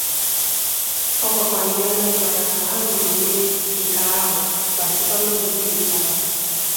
Ọ gwakwa Ndị Anambra ka ha ñomie nke ahụ ma sikwa n'ụzọ dị etu ahụ